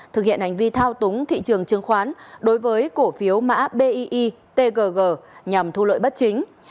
thực hiện hành vi thao túng thị trường chứng khoán đối với cổ phiếu mã bi tgg nhằm thu lợi bất chính